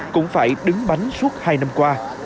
cũng phải đứng bánh suốt hai năm qua